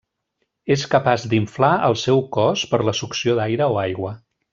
És capaç d'inflar el seu cos per la succió d'aire o aigua.